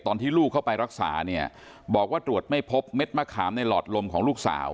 ตอนที่ลูกเข้าไปรักษาเนี่ยบอกว่าตรวจไม่พบเม็ดมะขามในหลอดลมของลูกสาว